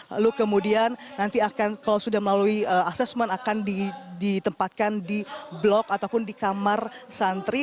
lalu kemudian nanti akan kalau sudah melalui asesmen akan ditempatkan di blok ataupun di kamar santri